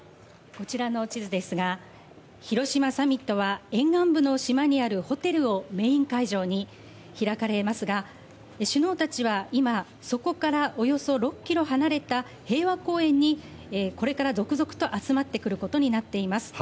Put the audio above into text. こちらの地図ですが、広島サミットは沿岸部の島にあるホテルをメイン会場に開かれますが、首脳たちは今そこからおよそ６キロ離れた平和公園にこれから続々と集まってくることになっています。